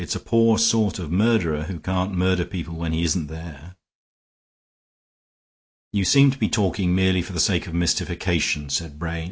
"It's a poor sort of murderer who can't murder people when he isn't there." "You seem to be talking merely for the sake of mystification," said Brain.